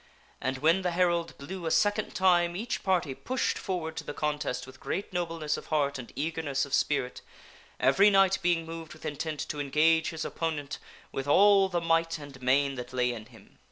And when with swords. t ne herald blew a second time each party pushed forward to the contest with great nobleness of heart and eagerness of spirit, every knight being moved with intent to engage his oppugnant with all the might and main that lay in him.